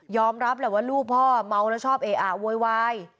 รับแหละว่าลูกพ่อเมาแล้วชอบเออะโวยวาย